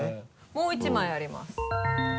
もう１枚あります。